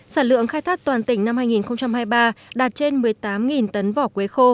sản lượng khai thác toàn tỉnh năm hai nghìn hai mươi ba đạt trên một mươi tám tấn vỏ quế khô